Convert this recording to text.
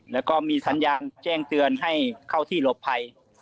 แล้วก็มีสัญญาณแจ้งเตือนให้เข้าที่หลบภัย